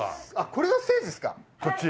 これがステージですか。